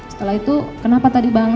setelah itu kenapa tadi bang